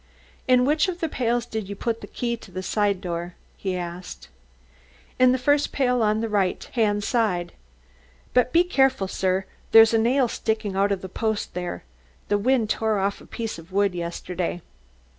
"In which of the pails did you put the key to the side door?" he asked. "In the first pail on the right hand side. But be careful, sir; there's a nail sticking out of the post there. The wind tore off a piece of wood yesterday."